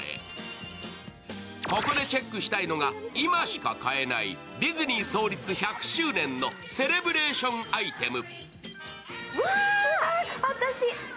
ここでチェックしたいのが今しか買えないディズニー創立１００周年のセレブレーションアイテム。